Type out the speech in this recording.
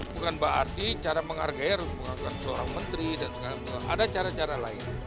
bukan berarti cara menghargai harus menghargai seorang menteri ada cara cara lain